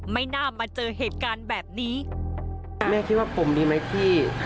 ไม่น่ามาเจอเหตุการณ์แบบนี้